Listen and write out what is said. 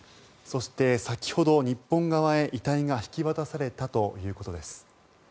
そして、先ほど、日本側へ遺体が引き渡されたということです。